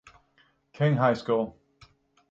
King High School.